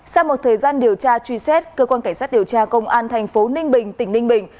sau một thời gian điều tra truy xét cơ quan cảnh sát điều tra công an thành phố ninh bình tỉnh ninh bình